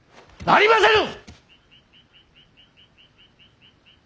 なりませぬ！